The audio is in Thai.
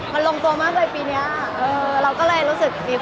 มันเป็นเรื่องน่ารักที่เวลาเจอกันเราต้องแซวอะไรอย่างเงี้ย